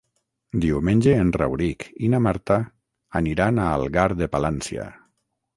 Diumenge en Rauric i na Marta aniran a Algar de Palància.